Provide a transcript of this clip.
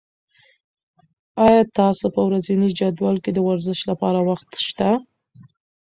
آیا ستاسو په ورځني جدول کې د ورزش لپاره وخت شته؟